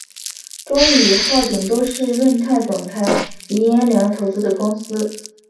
中裕与浩鼎都是润泰总裁尹衍梁投资的公司。